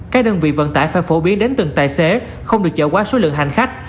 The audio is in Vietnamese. các đơn vị vận tải phải phổ biến đến từng tài xế không được chở quá số lượng hành khách